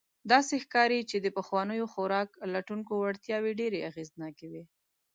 داسې ښکاري، چې د پخوانیو خوراک لټونکو وړتیاوې ډېر اغېزناکې وې.